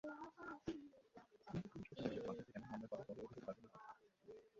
কিন্তু পুলিশ হত্যাকারীদের বাঁচাতে এমন মামলা করে বলে অভিযোগ রাজনের বাবার।